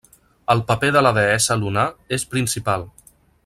El paper de la deessa lunar és principal.